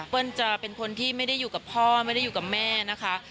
จะเป็นคนที่ไม่ได้อยู่กับพ่อไม่ได้อยู่กับแม่นะคะ